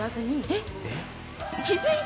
えっ。